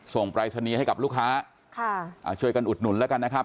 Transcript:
ปรายศนีย์ให้กับลูกค้าช่วยกันอุดหนุนแล้วกันนะครับ